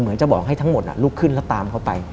จะบอกให้ทั้งหมดลุกขึ้นแล้วตามเขาไป